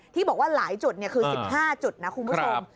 ที่บอกว่าหลายจุดคือ๑๕จุดนะคุณผู้ชม